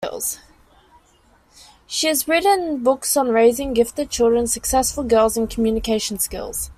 She has written books on raising gifted children, success for girls, and communication skills.